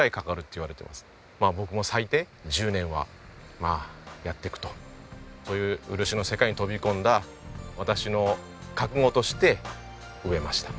まあ僕も最低１０年はやっていくとそういう漆の世界に飛び込んだ私の覚悟として植えました。